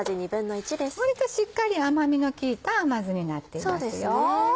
割としっかり甘みの効いた甘酢になっていますよ。